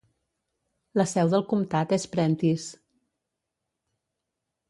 La seu del comtat és Prentiss.